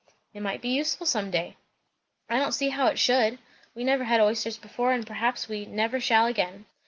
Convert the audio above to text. "It might be useful some day." "I don't see how it should. We never had oysters before, and perhaps we never shall again."